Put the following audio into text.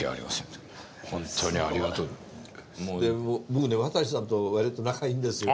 僕ね渡さんと割と仲いいんですよ。